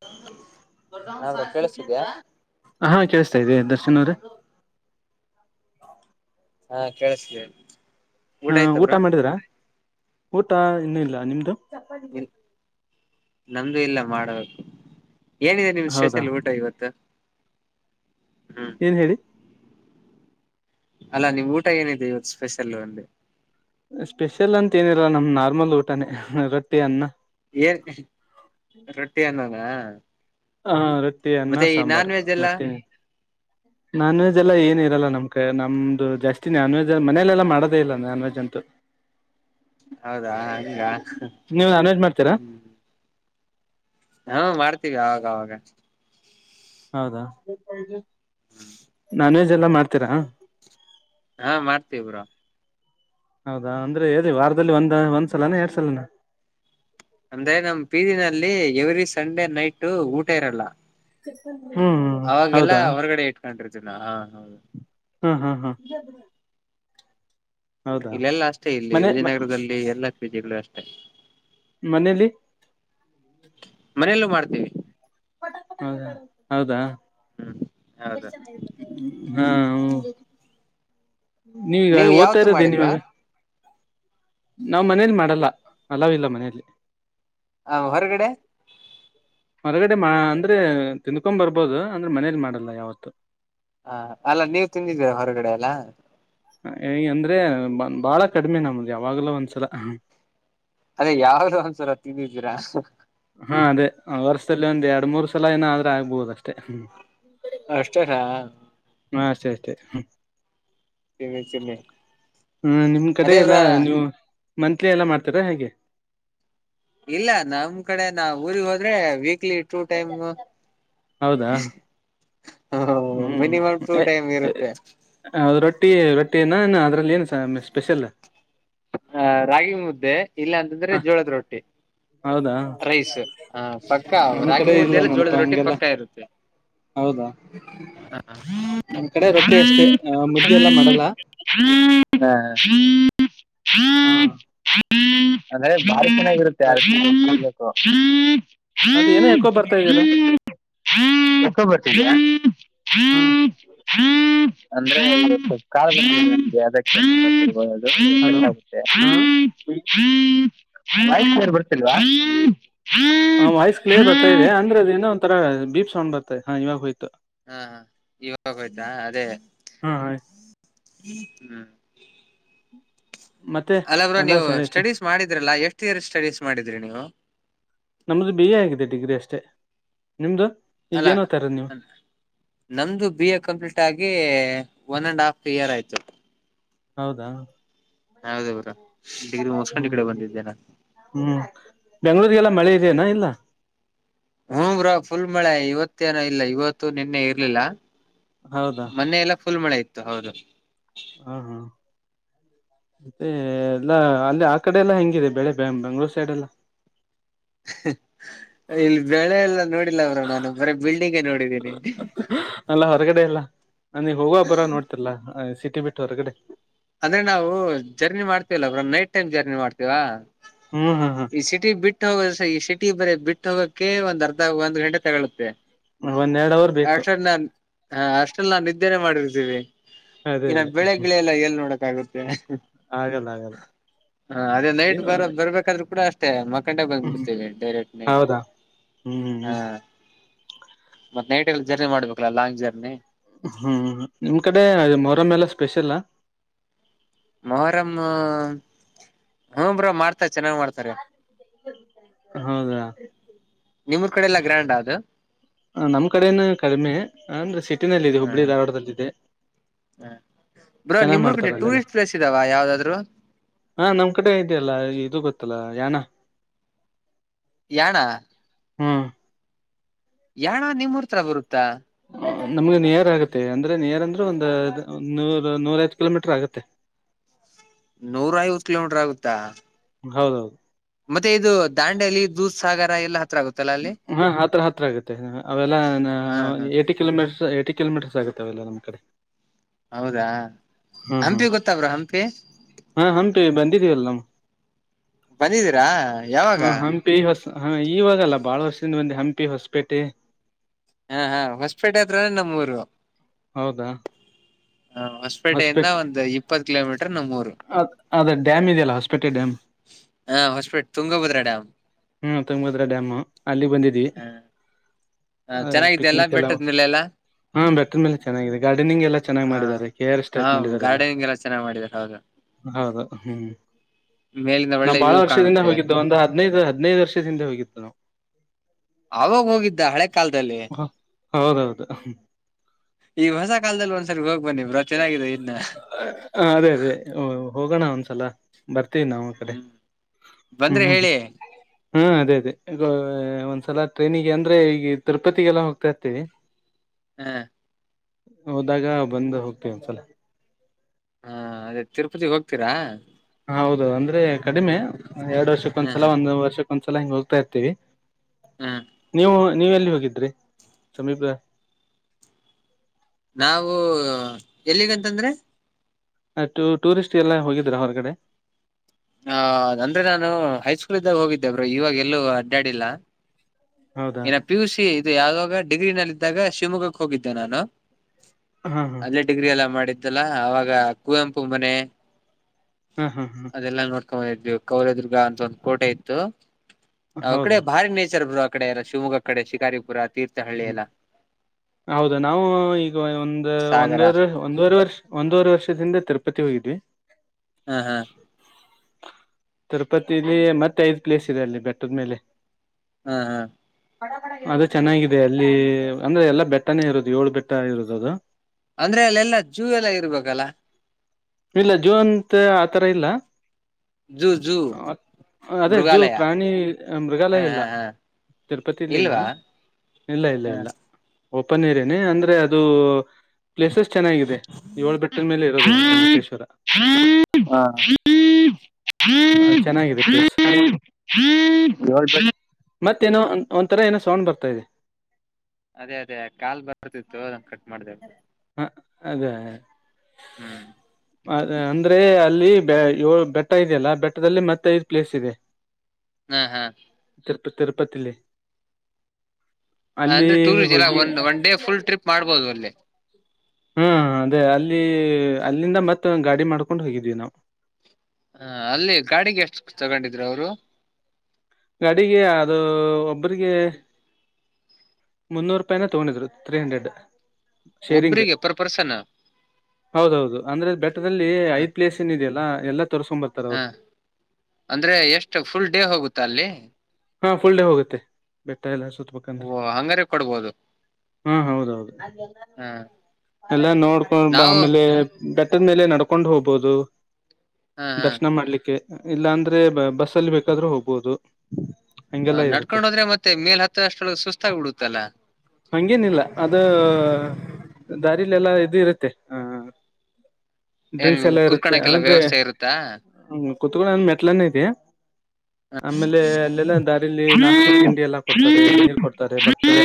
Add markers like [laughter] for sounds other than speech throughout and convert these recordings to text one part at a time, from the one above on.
[unintelligible] ಹಾ ಕೇಳಸ್ತಾ ಇದಿ ದರ್ಶನ್ ಅವ್ರೆ ಹಾ ಕೇಳಿಸ್ತಿದೆ. ಹಾ ಊಟ ಮಾಡಿದ್ರ ಊಟ ಇನ್ನೂ ಇಲ್ಲ ನಿಮ್ಮದು ಇ ನಮ್ದು ಇಲ್ಲ ಮಾಡಬೇಕು ಏನಿದೆ ನಿಮ್ಮ ಹೌದಾ ಸ್ಟೆಷಲ್ ಊಟ ಇವತ್ತು. ಏನ್ ಹೇಳಿ. ಅಲ್ಲ ನಿಮ್ಮ ಊಟ ಏನಿದೆ ಇವತ್ತು ಸ್ಪೆಷಲ್ ಅಂದೆ. ಸ್ಪೆಷಲ್ ಅಂತಾ ಏನಿಲ್ಲ ನಮ್ಮ ನಾರ್ಮಲ್ ಊಟನೇ ರೊಟ್ಟಿ ಅನ್ನ. ಏನ್ ರೊಟ್ಟಿ ಅನ್ನನ ಹಾ ರೊಟ್ಟಿ ಅನ್ನ ಸಾಂಬಾರ್ ಮತ್ತೇ ನಾನ್ ವೆಜ್ ಎಲ್ಲಾ ಏನ ಇರಲ್ಲ ನಮ್ಮ ಕೈ ನಮ್ದು ಜಾಸ್ತಿ ನಾನ್ ವೆಜ್ ಮನಲೆೆಲ್ಲ ಮಾಡದೇ ಇಲ್ಲ ನಾನ್ ವೆಜ್ ಅಂತೂ [inaudible] ಹೌದಾ ಹಂಗ ನೀವು ನಾನ್ ವೆಜ್ ಮಾಡ್ತೀರಾ ಹಾ ಮಾಡ್ತೀವಿ ಆವಾಗವಾಗ ಹೌದಾ ನಾನ್ ವೆಜ್ ಎಲ್ಲ ಮಾಡ್ತೀರಾ. ಹಾ ಮಾಡ್ತೀವ ಬ್ರೊ ಹೌದಾ ಅಂದ್ರೆ ಹೇದ ವಾರದಲ್ಲಿ ಒಂದ ಒಂದ್ ಸಲನಾ ಎರಡ್ ಸಲನಾ ಅಂದ್ರೆ ನಮ್ ಪೀಜಿನಲ್ಲಿ ಎವ್ರಿ ಸಂಡೇ ನೈಟ್ ಊಟ ಇರಲ್ಲ. ಹ್ಮ ಹೌದ [unintelligible] ಹ್ಮ ಹ್ಮ ಹ್ಮ ಇಲ್ಲೆಲ್ಲಾ ಅಷ್ಟೇ ಇಲ್ಲಿ ಮನೆ ವಿಜಯನಗರದಲ್ಲಿ ಎಲ್ಲಾ ಪೀಜಿಗಳ ಅಷ್ಟೇ. ಮನೇಲಿ ಮನೆಲ್ಲೂ ಮಾಡ್ತಿವಿ. [unintelligible] ಹೌದಾ ಹಾ ಹು ನೀವೀಗ ಓದ್ತಾ ಇರೋದ ಏನ್ ಇವಾಗ. ನಾವ್ ಮನೇಲಿ ಮಾಡಲ್ಲ ಅಲವ್ ಇಲ್ಲ ಮನಲಿ. ಹ ಹೊರಗಡೆ. ಹೊರಗಡೆ ಮಾ ಅಂದ್ರೆ ತಿನ್ಕೋನ ಬರ್ಬೋದು ಅಂದ್ರೆ ಮನೇಲಿ ಮಾಡಲ್ಲ ಯಾವತ್ತು. ಹ ಅಲ್ಲ ನೀವು ತಿಂದಿದ್ದೀರ ಹೊರಗಡೆ ಎಲ್ಲ. [unintelligible] ಅಂದ್ರೆ ಬ ಬಾಳ ಕಡಿಮೆ ನಮ್ದ ಯಾವಾಗ್ಲೋ ಒಂದ್ಸಲ. ಅದೇ ಯಾವ್ದೋ ಒಂದ್ಸರ ತಿಂದಿದ್ದೀರಾ. ಹಾ ಅದೇ ವರ್ಷದಲ್ಲಿ ಒಂದ್ ಎರಡ್ ಮೂರ್ ಸಲ ಏನ ಆದ್ರೆ ಆಗಬೋದ್ ಅಷ್ಟೇ. [unintelligible] ಅಷ್ಟೇನಾ. ಹಾ ಅಷ್ಟೇ ಅಷ್ಟೇ. [unintelligible] [unintelligible] ನಿಮ್ ಕಡೆ ಎಲ್ಲಾ ನೀವು ಮಂತ್ಲಿ ಎಲ್ಲ ಮಾಡ್ತಾರಾ ಹೇಗೆ. ಇಲ್ಲ ನಮ್ ಕಡೆ ನಾವ್ ಊರೀಗ್ ಹೋದ್ರೆ ವೀಕ್ಲಿ ಟೂ ಟೈಮ್. ಹೌದಾ [unintelligible] ಮಿನಿಮಮ್ ಟೂ ಟೈಮ್ ಇರುತ್ತೆ. ದು [unintelligible] ರೊಟ್ಟಿ ರೊಟ್ಟಿ [unintelligible] ಅದ್ರಲ್ಲಿ ಏನು [unintelligible] ಸ್ಪೆಷಲ್. [unintelligible] ರಾಗಿ ಮುದ್ದೆ ಇಲ್ಲ ಅಂತಂದ್ರೆ ಹ ಜೋಳದ ರೊಟ್ಟಿ. ಹೌದಾ ರೈಸ್ ಹ ಪಕ್ಕ ನಮ್ ರಾಗಿ ಕಡೆ ಮುದ್ದೆ ಇಲ್ಲ ಜೋಳದ ನೋಡಪಾ ರೊಟ್ಟಿ ಹಂಗೆಲ್ಲ ಪಕ್ಕ ಇರುತ್ತೆ. ಹೌದಾ ನಮ್ ಕಡೆ ರೊಟ್ಟಿ ಅಷ್ಟೇ ಮುದ್ದಿ [unintelligible] ಎಲ್ಲ ಮಾಡಲ್ಲ. ಹಾ [unintelligible] ಅಂದ್ರೆ ಬಾರಿ ಚನಾಗಿರುತ್ತೆ ರೈ ಅದು ಏನೋ ಎಕೋ ಬರ್ತಾ ಇದೆಯಲ್ಲ [unintelligible] ಹ್ಮ್ [unintelligible] [unintelligible] [unintelligible] ಹಲೋ [unintelligible] ಹ [unintelligible] ಹಾ ವಾಯ್ ಕ್ಲಿಯರ್ ಬರ್ತಾಇದೆ ಅಂದ್ರೆ ಅದೇನೋ ಒಂಥರ ಬೀಪ್ ಸೌಂಡ್ ಬರ್ತ [unintelligible] ಇವಾಗ್ ಒಯ್ತು. ಹಾ ಹ ಇವಾಗೋಯ್ತಾ ಅದೇ ಹಾ ಹ್ಮ್. ಮತ್ತೆ ಅಲ್ಲ ಬ್ರೋ ಎಲ್ಲ ನೀವು ಸರಿ ಐತೆ ಸ್ಟಡೀಸ್ ಮಾಡಿದ್ರಲ್ಲಾ ಎಷ್ಟ್ ಇಯರ್ ಸ್ಟಡೀಸ್ ಮಾಡಿದ್ರಿ ನೀವು. ನಮ್ದು ಬಿ ಎ ಆಗಿದೆ ಡಿಗ್ರಿ ಅಷ್ಟೇ ನಿಮ್ದು. ಈಗ ಏನ್ ಓದ್ತಾ ಇರೋದು ನೀವು [unintelligible] ನಂದು ಬಿ ಎ ಕಂಪ್ಲೀಟ್ ಆಗಿ ಒನ್ ಅಂಡ್ ಹಾಫ್ ಇಯರ್ ಆಯ್ತು. ಹೌದಾ ಹೌದು ಬ್ರೋ ಡಿಗ್ರಿ ಮುಸ್ಕೊಂಡ ಹ್ಮ್ ಇಕಡೆ ಬಂದಿದ್ದೇನ. [unintelligible] ಹ್ಮ್ ಬೆಂಗ್ಗಳೂರಿಗೆಲ್ಲಾ ಮಳೆ ಇದೆಯನಾ ಇಲ್ಲ. ಹೂ ಬ್ರೋ ಫುಲ್ ಮಳೆ ಇವತ್ತೇ ಏನೋ ಇಲ್ಲ ಇವತ್ತು ನಿನ್ನೆ ಇರ್ಲಿಲ್ಲ. ಹೌದಾ ಮನ್ನೆ ಎಲ್ಲ ಫುಲ್ ಮಳೆ ಇತ್ತು ಹೌದು. ಹಾ ಹಾ [unintelligible] ಮತ್ತೆ ಎಲ್ಲ ಅಲ್ಲಿ ಆ ಕಡೆ ಎಲ್ಲಾ ಹೆಂಗಿದೆ ಬೆಳೆ [unintelligible] ಬೆಂಗಳೂರ್ ಸೈಡ್. [unintelligible] [unintelligible] ಇಲ್ಲಿ ಬೆಳೆ ಎಲ್ಲ ನೋಡಿಲ್ಲ ಬ್ರೋ ನಾನು ಬರೆ ಬಿಲ್ಡಿಂಗೆ ನೋಡಿದ್ದೀನಿ. [unintelligible] ಅಲ್ಲಾ ಹೊರಗಡೆ ಎಲ್ಲ [unintelligible] ಹೋಗೋವಾಗ ಬರೋವಾಗ ನೋಡ್ತಿಲ್ಲಾ ಸಿಟಿ ಬಿಟ್ಟು ಹೊರಗಡೆ. ಅಂದ್ರೆ ನಾವು journey [unintelligible] bro night time journey ಮಾಡ್ತೀವಾ. ಹು [unintelligible] ಈ ಸಿಟಿ ಬಿಟ್ಟು [unintelligible] ಈ ಸಿಟಿ ಬೇರೆ ಬಿಟ್ಟು ಹೋಗೋಕ್ಕೆೆ ಒಂದ್ ಅರ್ಧ ಒಂದ್ ಗಂಟೆ ತಗೋಳುತ್ತೆ. ಹ್ಮ್ ಒಂದೆರಡ್ ಅವರ್ ಬೇಕು ಅಷ್ಟ್ರಲ್ ನಾನ್ ಹಾ [unintelligible] ನಾನ್ ನಿದ್ದೇನೆೇ ಮಾಡಿರ್ತೀವಿ. ಅದೇ ಇನ್ನ ಅದೇ ಬೆಳೆಗಿಳೆಲ್ಲ ಎಲ್ಲಿ ನೋಡಕ ಆಗುತ್ತೆ. ಆಗಲ್ಲ ಆಗಲ್ಲ. ಹಾ ಅದೇ ನೈಟ್ ಏನು ಬರ ಬರ್ಬೇಕಾದ್ರೂ ಕೂಡ ಅಷ್ಟೇ ಮಕ್ಕಂಡೆ ಬಂದ್ಬಿಡ್ತೇವಿ ಡೈರೆಕ್ಟ್ಟ್. ಹೌದಾ. ಹ್ಮ್ ಹಾ ಹ್ಮ್ ಮತ್ತ ನೈಟ್ ಎಲ್ಲ ಜರ್ನಿ ಮಾಡ್ಬೇಕಲ್ಲ ಲಾಂಗ್ ಜರ್ನಿ. ಹ್ಮ್ ನಿಮ್ ಕಡೆ ಮೊರಾಮ್ ಎಲ್ಲ ಸ್ಪೆಷಲ ಮೊಹರಮ್..... ಹ ಬ್ರೋ ಮಾಡ್ತ ಚೆನ್ನಾಗ್ ಮಾಡ್ತ ಹೌದಾ? ನಿಮ್ ಊರ್ ಕಡೆ ಎಲ್ಲಾ ಗ್ರ್ಯಾಂಡ್ ಅದು ನಮ್ಮ್ ಕಡೆನು ಕಡಿಮೆ ಅಂದ್ರೆ ಸಿಟಿನಲ್ಲಿ ಇದೆ ಹುಬ್ಬಳ್ಳಿ ಧಾರವಾಡದಲ್ಲದೆ ಬ್ರೋ ನಿಮ್ಮೂರ್ ಕಡೆ ಅಲ್ಲೆಲ್ಲ ಟೂರಿಸ್ಟ್ ಪ್ಲೇಸ್ ಇದಾವ ಯಾವ್ದಾದ್ರು ಹಾ ನಮ್ ಕಡೆ ಇದೆಯಲ್ಲ ಇದು ಗೊತ್ತಲ್ಲ ಯಾಣ ಯಾಣ. ಹ್ಮ್ ಯಾಣ ನಿಮ್ಮೂರ್ ತರ ಬರುತ್ತಾ? ನಮ್ಗೆ ನಿಯರ್ ಆಗತ್ತೆ? ಅಂದ್ರೆ ನಿಯರ್ ಅಂದ್ರೆ ಒಂದ ನೂರ ನೂರ ಐವತ್ ಕಿಲೋಮೀಟರ್ ಆಗತ್ತೆ. ನೂರ ಐವತ್ತು ಕಿಲೋಮೀಟರ್ ಆಗೂತ್ತ ಹೌದೌದು. ಮತ್ತೆ ಇದು ದಾಂಡಲಿ, ದೂಧ್ ಸಾಗರ, ಎಲ್ಲ ಹತ್ರ ಆಗುತ್ತ. ಹಾ ಹತ್ರ ಹತ್ರ ಆಗುತ್ತೆ ಅವೆಲ್ಲನಾ ಕಿಲೋ ಮೀಟರ್ಸ್ ಹೇಟಿ ಕಿಲೋಮೀಟರ್ ಆತ್ತೆಲ್ಲ ನಮ್ಮ ಕಡೆ ಹೌದಾ ಹ್ಮ್ ಹ್ಮ್ ಹಂಪಿ ಗೊತ್ತಾ ಬ್ರೋ ಹಂಪಿ ಹಾ ಹಂಪಿ ಬಂದಿದ್ದಿವಲ್ಲ ನಾವ್ ಬಂದಿದ್ದೀರಾ? ಯಾವಾಗ? ಹಾ ಹಂಪಿ ಹೊಸ ಹ ಇವಾಗಲ್ಲ ಬಾಳ ವರ್ಷದಿಂದ ಬಂದವಿ ಹಂಪಿ ಹೊಸಪೇಟೆ ಹಾ ಹಾ ಹೊಸಪೇಟೆ ಹತ್ರನೇ ನಮ್ಮ್ಊರು ಹೌದಾ ಹಾ ಹೊಸಪೇಟೆಯಿಂದ ಒಂದು ಇಪ್ಪತ್ತು ಕಿಲೋಮೀಟರ್ ನಮ್ಮ ಊರು ಅ ಅದ ಡ್ಯಾಮ್ ಇದೆಯಲ್ಲ ಹೊಸಪೇಟೆ ಡ್ಯಾಮ್. ಹಾ ಹೊಸಪೇಟೆ ತುಂಗಭದ್ರ ಡ್ಯಾಮ್ ಹ್ಮ ತುಂಗಭದ್ರ ಡ್ಯಾಮ್ ಅಲ್ಲಿ ಬಂದಿದವಿ. ಹ ಪಿಕ್ನಿಕ್ ಎಲ್ಲ ಹಾ ಬೆಟ್ರನ್ ಮೇಲೆ ಚೆನ್ನಾಗಿದೆ ಗಾರ್ಡನಿಂಗ್ ಎಲ್ಲ ಚೆನ್ನ್ ಮಾಡಿದ್ದಾರೆ ಕೇರ್ ಸ್ಟಪ್ ಮಾಡಿದ್ದಾರೆ ಎಲ್ಲ ಹೌದು ಹ್ಮ್ ನಾ ಬಾಳ ವರ್ಷದಿಂದ ಹೋಗಿದು ಒಂದು ಹದ್ನೈದು ಹದ್ನೈದು ವರ್ಷ ಹಿಂದೆ ಹೋಗಿದ್ ನಾವ್ ಆವಾಗ್ ಹೋಗಿದ್ದ ಹಳೆ ಕಾಲದಲ್ಲಿ? ನಾವು ಹೌದೌದು ಈ ಹೊಸ ಕಾಲದಲ್ಲಿ ಒಂದ್ಸರಿ ಹೋಗ್ ಬನ್ನಿ ಬ್ರೋ ಚೆನ್ನಾಗಾಗಿದೆ ಇನ್ನ ಹ ಅದೇ ಅದೇ ಹೋಗೋಣ ಒಂದ್ಸಲ ಬರ್ತೇವಿ ನವು ಒಂದ್ ಕಡೆ ಹ್ಮ್ ಹ್ಮ್ ಹಾ ಅದೇ ಅದೇ ಈಗ ಒಂದ್ಸಲ ಟ್ರೈನಿಗೆ ಅಂದ್ರೆ ಈಗ ತಿರುಪತಿಗೆಲ್ಲ ಹೋಗ್ತಾ ಇರ್ತಿವಿ. [inaudible] ಹ್ಮ್ ಹೋದಾಗ ಬಂದು ಹೋಗ್ತೇವ ಒಂದ್ಸಲ. ಹಾ ಅದೇ ತಿರುಪತಿಗೆ ಹೋಗ್ತೀರಾ? ಹೌದು ಅಂದ್ರೆ ಕಡಿಮೆ ಎರಡ್ ವರ್ಷಕ್ಕೊಂದ್ಸಲ ಒಂದ್ ವರ್ಷಕ್ಕೊಂದ್ಸಲ ಹಿಂಗ ಹೋಗ್ತಾ ಇರ್ತೀವಿ. ಹ್ಮ್ ನೀವು ನೀವ್ ಎಲ್ಲಿ ಹೋಗಿದ್ರಿ ಸಮೀಪ. ನಾವು ಎಲ್ಲಿಗಂತಂದ್ರೆ? ಹಾ ಟೂರ್ ಟೂರಿಸ್ಟ್ ಎಲ್ಲ ಹೋಗಿದ್ರಾ ಹೊರಗಡೆ ಆ ಅಂದ್ರೆ ನಾನು ಹೈಸ್ಕೂಲ್ ಇದ್ದಾಗ ಹೋಗಿದ್ದೆ ಬ್ರೋ ಇವಾಗ ಎಲ್ಲೂ ಅಡ್ಡಾಡಿ ಇಲ್ಲ. ಹೌದಾ. ಪಿ ಯು ಸಿ ಇದು ಯಾವಾಗ ಡಿಗ್ರಿ ನಲ್ಲಿ ಇದ್ದಾಗ ಶಿವಮೊಗ್ಗಕ್ಕೆ ಹೋಗಿದ್ದೆ ನಾನು. ಹಾ ಹಾ ಡಿಗ್ರಿ ಎಲ್ಲ ಮಾಡಿದ್ದಲ್ಲ ಅವಾಗ ಕುವೆಂಪು ಮನೆ. ಹಾ ಹಾ ಹಾ ನೋಡ್ಕೊಂಡಂದಿದ್ವಿ ಕೌಲದುರ್ಗ ಅಂತ ಒಂದ್ ಕೋಟೆ ಇತ್ತು ಅವ ಕಡೆ ಹೌದಾ ಬಾರಿ ನೇಚರ್ ಬ್ರೋ. ಕಡೆ ಎಲ್ಲ ಶಿವಮೊಗ್ ಕಡೆ ಶಿಕಾರಿಪುರ. ಹ್ಮ್ ಹೌದಾ ನಾವು ಈಗ ಒಂದ ಒಂದ್ವರೆ- ಒಂದೂವರೆ ವರ್ಷ ಒಂದೂವರೆ ವರ್ಷದಿಂದ ತಿರುಪತಿ ಹೋಗಿದ್ವಿ. ಹ್ಮ ಹಾ ತಿರುಪತಿಲಿ ಮತ್ತೆ ಐದ್ ಪ್ಲೇಸ್ ಇದೆ ಅಲ್ಲಿ ಬೆಟ್ಟದ ಮೇಲೆ. ಹಾ ಹಾ ಅದ ಚೆನ್ನಾಗಿದೆ ಅಲ್ಲಿ ಅಂದ್ರೆ ಎಲ್ಲಾ ಬೆಟ್ಟನೇ ಇರುದು ಏಳು ಬೆಟ್ಟ ಇರುದು ಅದು. ಅಂದ್ರೆ ಅಲ್ಲೆಲ್ಲಾ ಜೂ ಎಲ್ಲಾ ಇರ್ಬೇಕಲ್ಲ. ಇಲ್ಲ ಜೂ ಅಂತ ಆತರ ಇಲ್ಲ. ಅದೇ ಜೂ ಪ್ರಾಣಿ ಮೃಗಾಲಯ ಇಲ್ಲ. ತಿರುಪತಿಲಿಲ್ಲ ಇಲ್ಲ ಇಲ್ಲ ಇಲ್ಲ. ಓಪನ್ ಏರಿಯಾನೇ ಅಂದ್ರೆ ಅದು ಪ್ಲೇಸಸ್ ಚೆನ್ನಾಗಿದೆ ಎಳ್ ಬೆಟ್ಟದ್ ಮೇಲೆ ಇರೋದು. ಟೇಶ್ವರ ಹ್ಮ ಹ್ಮ ಚೆನ್ನಾಗಿದೆ ಪ್ಲೇಸ್ [unintelligible] ಮತ್ತೇನೋ ಒಂಥರ ಏನೋ ಸೌಂಡ್ ಬರ್ತಾ ಇದೆ. ಅದೇ ಅದೇ ಕಾಲ್ ಬರ್ತಿತ್ತು ಅದಕ್ ಕಟ್ ಮಾಡ್ದೆ. ಹ ಅದೇ. ಹ್ಞೂ ಅ ಅಂದ್ರೆ ಅಲ್ಲಿ ಬೆ ಏಳ್ ಬೆಟ್ಟ ಇದೆಯಲ್ಲ ಬೆಟ್ಟದಲ್ಲಿ ಮತ್ತೆ ಐದ್ ಪ್ಲೇಸ್ ಇದೆ. [inaudible] ಹ್ಮ ಹಾ ತಿರುಪ ತಿರುಪತಿಲ್ಲ. ಅಂದ್ರೆ ಟೂರ್ ಇದೆಲ್ಲ ಹೋಗಿ ಒಂದ್ ಒಂಡೇ ಫುಲ್ ಟ್ರಿಪ್ ಮಾಡ್ಬೋದು ಅಲ್ಲೇ. ಹ್ಮ ಅದೇ ಅಲ್ಲಿ ಅಲ್ಲಿಂದ ಮತ್ತ ಗಾಡಿ ಮಾಡ್ಕೊಂಡ್ ಹೋಗಿದ್ವಿ ನಾವು. ಹ ಅಲ್ಲಿ ಗಾಡಿಗೆ ಎಷ್ಟು ತಗೊಂಡಿದ್ರು ಅವ್ರು. ಕಡಿಗೆ ಅದು ಒಬ್ಬ್ರಿಗೆ- ಮುನ್ನೂರು ರೂಪಾಯನ ತಗೊಂಡಿದ್ರು ತ್ರೀ ಹಂಡ್ರೆಡ್. ಶೇರಿಂಗ್ ಒಬ್ರಿಗೇ ಪರ್ ಪರ್ಸನು. ಹೌದೌದು ಅಂದ್ರೆ ಬೆಟದಲ್ಲಿ ಐದ್ ಪ್ಲೇಸ್ ಏನ ಇದೆಯಲ್ಲ ಎಲ್ಲ ತೋರ್ಕೊಂಬರ್ತ್ತ. ಹಾ, ಅಂದ್ರೆ ಎಷ್ಟು ಫುಲ್ ಡೇ ಹೋಗುತ್ತ ಅಲ್ಲಿ. ಹಾ ಫುಲ್ ಡೇ ಹೋಗುತ್ತೆ ಬೆಟ್ಟ ಎಲ್ಲ ಸುತ್ಬೇಕಂದ್ರೆ. ಹಂಗಾರೆ ಕೊಡ್ಬೋದು. ಹ್ಮ ಹೌದೌದು. ಎಲ್ಲ ನೋಡ್ಕೊಂಡ್ ಆಮೇಲೆ- ಬೆಟ್ಟದ ಮೇಲೆ ನಡ್ಕೊಂಡು ಹೋಗ್ಬೋುದು, ದರ್ಶನ ಮಾಡ್ಲಿಕ್ಕೆ. ಇಲ್ಲಾಂದ್ರೆ ಬಸ್ಸಲ್ಲಿ ಬೇಕಾದ್ರೂ ಹೋಗ್ಬಹುದು. ಹ ನಡ್ಕೊಂಡು ಹೊದ್ರೆ ಮತ್ತೆ ಮೇಲೆ ಹತ್ತೋಷ್ಟರಲ್ಲಿ ಸುಸ್ತಾಗ್ ಬಿಡುತ್ತಲ್ಲಾ. ಹಂಗೇನಿಲ್ಲ ಅದು ದಾರಲೆ ಎಲ್ಲಾ ಇದು ಇರುತ್ತೆ ಹ- [inaudible] ಡ್ರಿಂಕ್ಸ್ ಎಲ್ಲ ಇರುತ್ತೆ ಅಂದ್ರೆ ಕುತ್ಕಳಂದ ಮೆಟ್ಲನೇ ಇದೆ. ಆಮೇಲೆ ಅಲ್ಲೆಲ್ಲ ದಾರಿಲಿ ನಾಷ್ಟ ತಿಂಡಿ ಎಲ್ಲಾ ಕೊಡ್ತಾರೆ ನೀರ್ ಕೊಡ್ತಾರೆ ಭಕ್ತರ.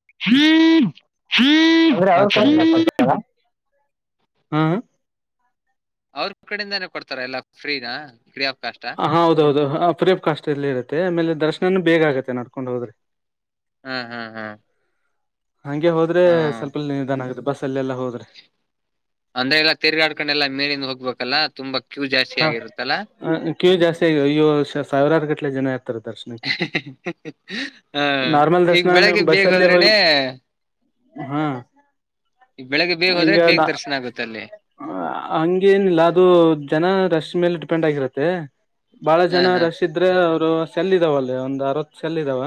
[inaudible] ಹ್ಮ್. ಅವ್ರ ಕಡೆಯಿಂದಾನೇ ಕೊಡ್ತಾರೆ ಎಲ್ಲಾ ಫ್ರೀನಾ ಫ್ರೀ ಆಫ್ ಕಾಸ್ಟ್. ಹಾ ಹೌದೌದು ಹ ಫ್ರೀ ಆಫ ಕಾಸ್ಟ್ ಇಲ್ಲೇ ಇರುತ್ತೆ ಆಮೇಲೆ ದರ್ಶನನೂ ಬೇಗ ಆಗುತ್ತೆ ನಡಕೊಂಡ ಹೋದ್ರೆ. ಹ ಹ ಹಾ. ಹಂಗೆ ಹೋದ್ರೆ ಸ್ವಲ್ಪ ನಿಧಾನ ಆಗುತ್ತೆ ಬಸ್ಸಲೆಲ್ಲಾ ಹೋದ್ರೆ. ಅಂದ್ರೆ ಎಲ್ಲ ತಿರ್ಗಾಡ್ಕೊಂಡೆಲ್ಲ ಮೇಲಿಂದ ಹೋಗ್ಬೇಕಲ್ಲಾ ತುಂಬಾ ಕ್ಯೂ ಜಾಸ್ತಿ ಆಗಿರುತ್ತಲ್ಲಾ. ಹ ಕ್ಯೂ ಜಾಸ್ತಿ ಆಗಿದೆ ಅಯ್ಯೋ ಸಾರ ಸಾವಿರಾರ ಗಟ್ಲೆ ಜನ ಇರ್ತಾರೆ ದರ್ಶನಕ. [inaudible] ಹಾ ನಾರ್ಮಲ್ ಈಗ ದರ್ಶನ ಬೆಳಗ್ಗೆ ಬಸ್ ಬೇಗ ಅಲ್ಲಿ ಹೋಗಿ ಹೊದ್ರೇನೆ. ಹಾ ಈಗ ಬೆಳಗ್ಗೆ ಬೇಗ್ ಹೋದ್ರೆ ಈಗ ಬೇಗ್ ನಾ ದರ್ಶನ ಆಗುತ್ತೆ ಅಲ್ಲಿ. ಹಂಗೇನಿಲ್ಲ ಅದು ಜನದ ರಶ್ ಮೇಲ ಡಿಪೆಂಡ್ ಆಗಿರುತ್ತೆ. ಬಾಳ ಜನ ರಶ್ ಇದ್ರೆ ಅವರು ಸೆಲ್ ಇದಾವ ಅಲ್ಲಿ ಒಂದ್ ಅರವತ್ತು ಸೆಲ್ ಇದಾವ.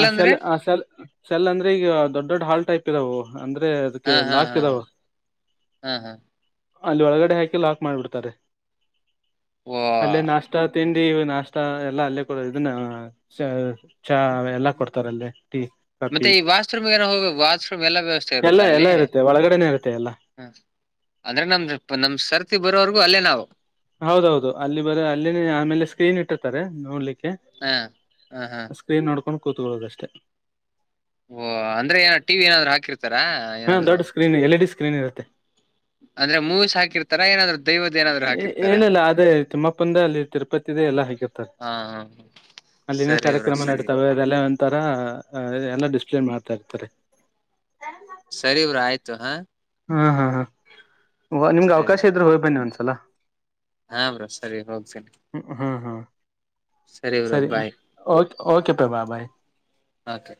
ಆ ಸೆಲ್ ಆ ಸೆಲ್. ಸೆಲ್ ಅಂದ್ರೆ ಈಗ ದೊಡ್ಡ ದೊಡ್ಡ ಹಾಲ್ ಟೈಪ್ ಇದಾವವು ಅಂದ್ರೆ. ಅದಕ್ಕೆ ಲಾಕ್ ಇದಾವ. ಅಲ್ಲಿ ಒಳಗಡೆ ಹಾಕಿ ಲಾಕ್ ಮಾಡ್ಬಿಡ್ತಾರೆ ಅಲ್ಲೆ ನಾ. ನಾಷ್ಟ ತಿಂಡಿ ಇದ ನಾಷ್ಟ ಎಲ್ಲ ಅಲ್ಲೇ ಕೂಡ ಇದನ್ನ. ಚ ಚಾ ಎಲ್ಲಾ ಕೊಡ್ತಾರ ಅಲ್ಲೇ ಟೀ. ಮತ್ತೆ ಕಾಫಿ ಈ ವಾಶ್ರೂಮ್ ಏನೋ ಹೋಗ ವಾಶ್ರೂಮ್ ಎಲ್ಲ ವ್ಯವಸ್ಥೆ ಇರುತ್ತ ಎಲ್ಲಾ ಅಲ್ಲಿ. ಎಲ್ಲಾ ಇರುತ್ತೆ ಒಳಗಡೆನೆ ಇರುತ್ತೆ ಎಲ್ಲಾ ಹ್ಮ ಅಂದ್ರೆ ನಮ್ದ ನಮ್ ಸರ್ತಿ ಬರೋವರ್ಗೂ ಅಲ್ಲೇ ನಾವ. ಹೌದೌದು ಅಲ್ಲಿ ಬರೆ ಅಲ್ಲಿನೆ ಆಮೇಲೆ ಸ್ಕ್ರೀನ್ ಇಟ್ಟಿರತಾರೆ ನೋಡ್ಲಿಕ್ಕೆ. ಹ ಆಹಾ. ಸ್ಕ್ರೀನ್ ನೋಡಕೊಂಡ ಕೂತ್ಕೊಳ್ಳೋದಷ್ಟೇ. ಓ ಅಂದ್ರೆ ಏನ ಟಿ ವಿ ಏನಾದ್ರು ಹಾಕಿರ್ತಾರಾ. ಹಾ ದೊಡ್ ಸ್ಕ್ರೀನ್ ಎಲ್ ಡಿ ಸ್ಕ್ರೀನ್ ಇರುತ್ತೆ. ಅಂದ್ರೆ ಮೂಚ್ ಹಾಕಿರ್ತಾರ ಏನಾದ್ರರು. ದೈವದ ಏನಾರ. ಎನಿಲ್ಲ ಅದೇ ತಿಮ್ಮಪ್ಪಂದ ಅಲ್ಲಿ ತಿರುಪತಿದೆ ಎಲ್ಲಾ ಹಾಕಿರ್ತಾರ. ಹಾ ಹಾ. ಅಲ್ಲಿನ ಕಾರ್ಯಕ್ರಮ ನಡೀತಾವ ಅದೆಲ್ಲ ಒಂತರ ಎಲ್ಲ ಡಿಸಿಪ್ಲೆನ ಮಾಡ್ತಾ ಇರ್ತಾರೆ. ಸರಿ ಗುರು ಆಯ್ತು ಹಾ. ಹಾ ಹಾ ಹಾ ನಿಮ್ಗೆ ಅವಕಾಶ ಇದ್ರೆ ಹೋಗಿ ಬನ್ನಿ ಒಂದ್ಸಲ. ಹಾ ಬ್ರೋ ಸರಿ ಹೋಗ್ತೀನಿ. ಹ್ಮ್ ಹ್ಮ್ ಹ್ಮ್ ಸರಿ ಓಕೆ ಪಾ ಬಾಯ್ ಬಾಯ್. ಓಕೆ.